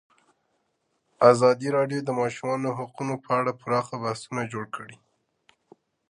ازادي راډیو د د ماشومانو حقونه په اړه پراخ بحثونه جوړ کړي.